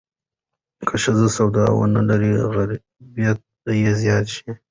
که ښځې سواد ونه لري، غربت به زیات شي.